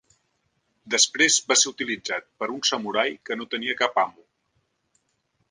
Després vas ser utilitzat per un samurai que no tenia cap amo.